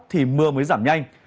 thì mưa mới giảm nhanh